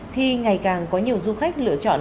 khi ngày càng có nhiều du khách lựa chọn